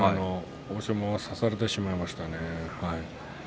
欧勝馬は差されてしまいましたね。